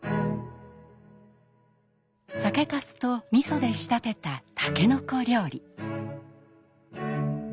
酒かすとみそで仕立てたたけのこ料理。